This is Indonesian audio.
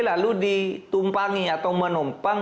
lalu ditumpangi atau menumpang